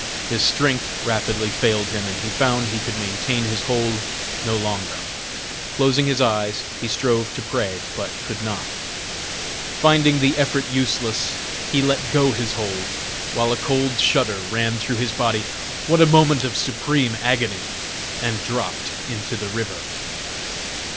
His strength rapidly failed him, and he found he could maintain his hold no longer. Closing his eyes, he strove to pray, but could not. Finding the effort useless, he let go his hold, while a cold shudder ran through his body what a moment of supreme agony! and dropped into the river.